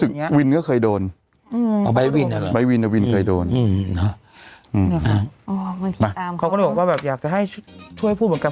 เขาก็เลยขอว่าอยากจะช่วยพูดเมื่อกัน